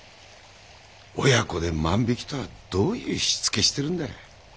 親子で万引きとはどういうしつけしてるんだい。